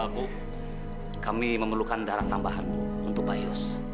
bu kami memerlukan darah tambahan untuk pak yos